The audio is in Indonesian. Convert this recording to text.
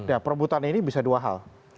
ya perbutan ini bisa dua hal